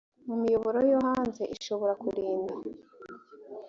mu miyoboro yo hanze ishobora kurinda